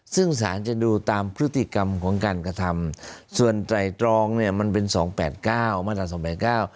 ซึ่งสารจะดูตามพฤติกรรมของการกระทำส่วนไตรองมันเป็น๒๘๙มาตรา๒๘๙